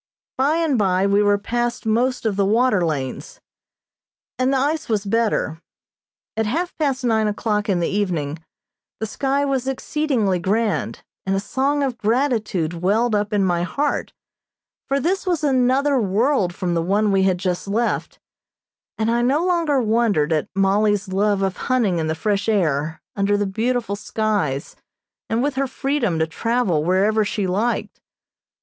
By and by we were past most of the water lanes, and the ice was better. At half past nine o'clock in the evening the sky was exceedingly grand, and a song of gratitude welled up in my heart, for this was another world from the one we had just left, and I no longer wondered at Mollie's love of hunting in the fresh air, under the beautiful skies, and with her freedom to travel wherever she liked.